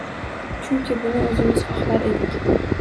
Chunki buni o‘zimiz xohlar edik.